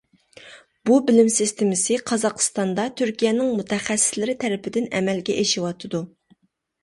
بۇ بىلىم سىستېمىسى قازاقىستاندا تۈركىيەنىڭ مۇتەخەسسىسلىرى تەرىپىدىن ئەمەلگە ئېشىۋاتىدۇ.